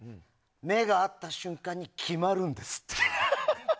目が合った瞬間に決まるんですって。